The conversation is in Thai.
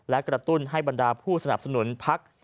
และกระตุ้นให้บรรดาผู้สนับสนุนพัก